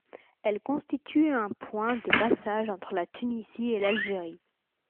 Elle constitue un point de passage entre la Tunisie et l'Algérie.